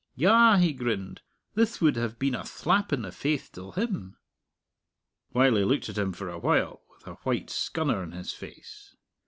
Yah!" he grinned, "thith would have been a thlap in the face till him!" Wylie looked at him for a while with a white scunner in his face.